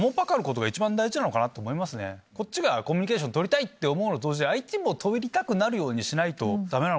こっちがコミュニケーション取りたいって思うのと同時に相手も取りたくなるようにしないとダメなのかな。